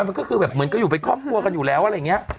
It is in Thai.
มันก็คือแบบเหมือนก็อยู่เป็นครอบครัวกันอยู่แล้วอะไรอย่างนี้